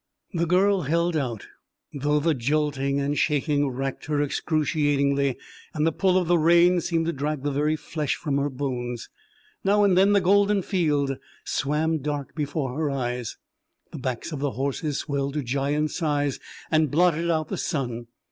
The girl held out, though the jolting and shaking racked her excruciatingly and the pull of the reins seemed to drag the very flesh from her bones. Now and then the golden field swam dark before her eyes, the backs of the horses swelled to giant size and blotted out the sun.